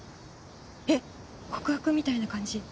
えっ告白みたいな感じ？